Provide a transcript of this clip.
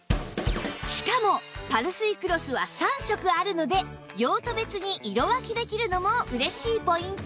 しかもパルスイクロスは３色あるので用途別に色分けできるのも嬉しいポイント